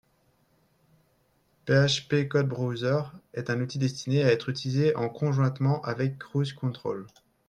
PHP_CodeBrowser est un outil destiné, à être utilisé en conjointement avec CruiseControl